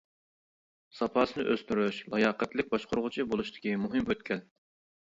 ساپاسىنى ئۆستۈرۈش لاياقەتلىك باشقۇرغۇچى بولۇشتىكى مۇھىم ئۆتكەل.